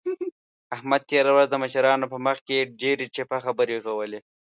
احمد تېره ورځ د مشرانو په مخ کې ډېرې چپه خبرې کولې.